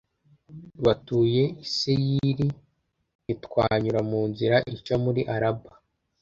batuye i seyiri, ntitwanyura inzira ica muri araba,+